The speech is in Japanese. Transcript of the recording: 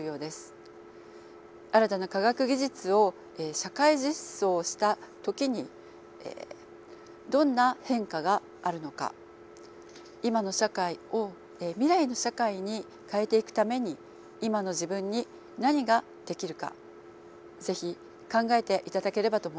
新たな科学技術を社会実装した時にどんな変化があるのか「今の社会」を「未来の社会」に変えていくために「今の自分に何ができるか」是非考えていただければと思います。